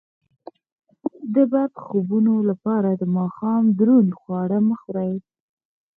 د بد خوبونو لپاره د ماښام دروند خواړه مه خورئ